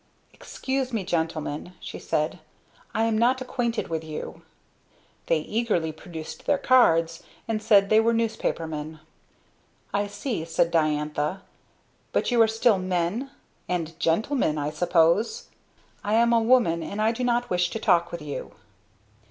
"Excuse me, gentlemen," she said, "I am not acquainted with you." They eagerly produced their cards and said they were "newspaper men." "I see," said Diantha, "But you are still men? And gentlemen, I suppose? I am a woman, and I do not wish to talk with you."